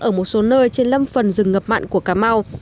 ở một số nơi trên lâm phần rừng ngập mặn của cà mau